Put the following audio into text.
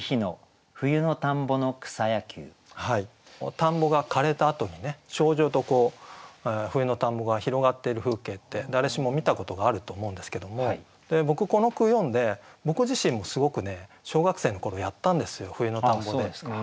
田んぼが枯れたあとにね蕭条とこう冬の田んぼが広がっている風景って誰しも見たことがあると思うんですけども僕この句読んで僕自身もすごくね小学生の頃やったんですよ冬の田んぼで。